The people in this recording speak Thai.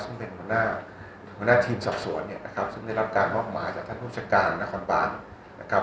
ซึ่งเป็นหัวหน้าหัวหน้าทีมสอบสวนเนี่ยนะครับซึ่งได้รับการมอบหมายจากท่านผู้จัดการนครบานนะครับ